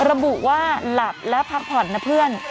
ระบุว่าหลับและพักผ่อนนะเพื่อน